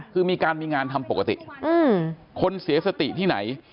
คือมีการมีงานทำปกติคนเสียสติที่ไหน